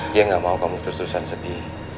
dia nggak mau kamu terus terusan sedih